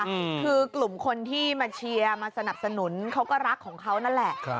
คือกลุ่มคนที่มาเชียร์มาสนับสนุนเขาก็รักของเขานั่นแหละครับ